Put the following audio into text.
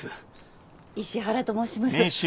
石原と申します。